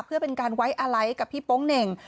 เพื่อเป็นการไว้อะไรกับพี่โป๊งเหน่ง